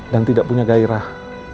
dan tidak punya gairah